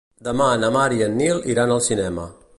Demà na Mar i en Nil iran al cinema.